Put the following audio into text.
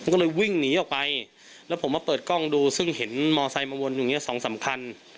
ก็เลยวิ่งหนีออกไปผมเอาทางมาเปิดกล้องดูซึ่งเห็นมอเตอร์ไซล์มาวนอยู่อย่างนี้๒๓คัน